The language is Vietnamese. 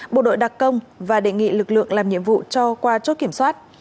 bộ đội đặc công và đề nghị lực lượng làm nhiệm vụ cho qua chốt kiểm soát